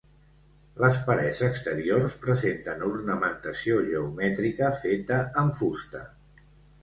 Les parets exteriors presenten ornamentació geomètrica feta amb fusta.